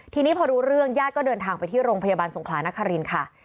ทีนี้พอรู้เรื่องญาติก็เดินทางไปที่โรงพยาบาลสงขลานครินค่ะ